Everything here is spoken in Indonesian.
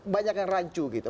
banyak yang rancu gitu